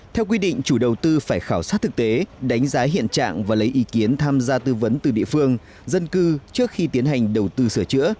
theo quy định chủ đầu tư phải khảo sát thực tế đánh giá hiện trạng và lấy ý kiến tham gia tư vấn từ địa phương dân cư trước khi tiến hành đầu tư sửa chữa